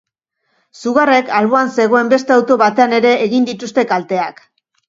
Sugarrek alboan zegoen beste auto batean ere egin dituzte kalteak.